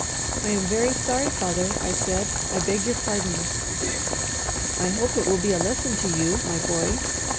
"I am very sorry, father," I said; "I beg your pardon." "I hope it will be a lesson to you, my boy.